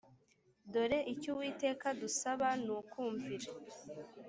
dore icyo uwiteka adusaba nukumvira.